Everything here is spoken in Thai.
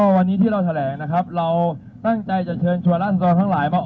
ก็วันนี้ที่เราแถลงนะครับเราตั้งใจจะเชิญชัวร์ร่านส่วนข้างบนที่นี่นะครับ